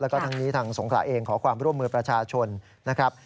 แล้วก็ทั้งนี้ทางสงขลาเองขอความร่วมมือประชาชนนะครับ